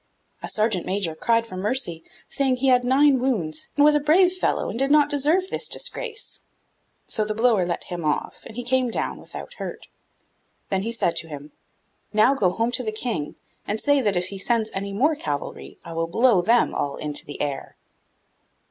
A sergeant major cried for mercy, saying he had nine wounds, and was a brave fellow, and did not deserve this disgrace. So the blower let him off, and he came down without hurt. Then he said to him, 'Now go home to the King, and say that if he sends any more cavalry I will blow them all into the air.